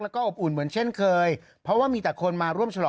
แล้วก็อบอุ่นเหมือนเช่นเคยเพราะว่ามีแต่คนมาร่วมฉลอง